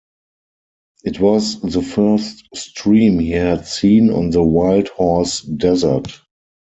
It was the first stream he had seen on the Wild Horse Desert.